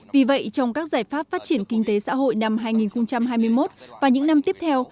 vì vậy trong các giải pháp phát triển kinh tế xã hội năm hai nghìn hai mươi một và những năm tiếp theo